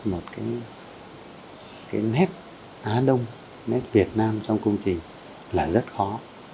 một cái nét á đông nét việt nam trong công trình là rất khó